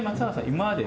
今まで